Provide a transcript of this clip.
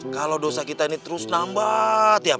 kalo dosa kita ini terus nambah tiap hari